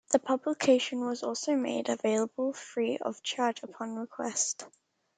The publication was also made available free of charge upon request.